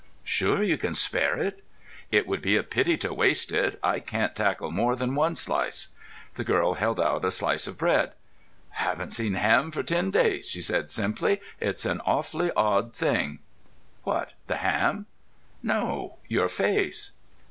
"Sure you can spare it?" "It would be a pity to waste it. I can't tackle more than one slice." The girl held out a slice of bread. "Haven't seen ham for ten days," she said simply. "It's an awfully odd thing." "What? The ham?" "No; your face."